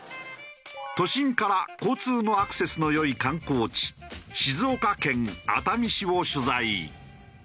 都心から交通のアクセスの良い観光地静岡県熱海市を取材。